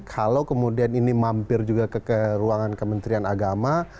kalau kemudian ini mampir juga ke ruangan kementerian agama